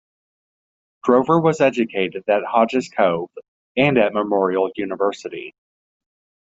Drover was educated in Hodge's Cove and at Memorial University.